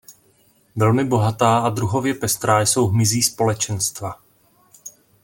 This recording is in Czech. Velmi bohatá a druhově pestrá jsou hmyzí společenstva.